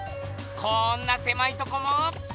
こんなせまいとこも。